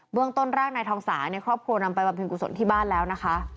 เรื่องต้นร่างนายทองสาเนี่ยครอบครัวนำไปบำเพ็ญกุศลที่บ้านแล้วนะคะ